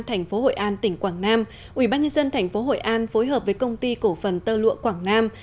thành phố hội an tỉnh quảng nam ubnd tp hội an phối hợp với công ty cổ phần tơ lụa quảng nam